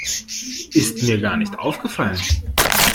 Ist mir gar nicht aufgefallen.